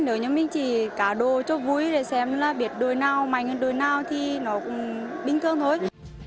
nếu như mình chỉ cả đồ cho vui để xem là biết đôi nào mạnh hơn đôi nào thì nó cũng bình thường thôi